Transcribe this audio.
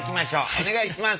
お願いします。